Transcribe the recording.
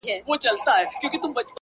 • هم تر نارنج هم تر انار ښکلی دی,